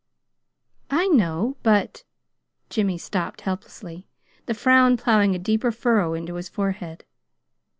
"I know; but " Jimmy stopped helplessly, the frown plowing a deeper furrow into his forehead.